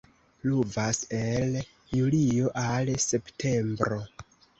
Pluvas el julio al septembro.